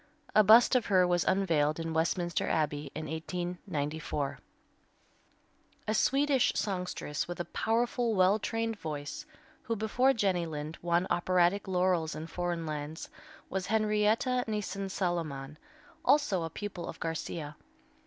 A bust of her was unveiled in Westminster Abbey in 1894. A Swedish songstress with a powerful, well trained voice, who before Jenny Lind won operatic laurels in foreign lands, was Henrietta Nissen Saloman, also a pupil of Garcia.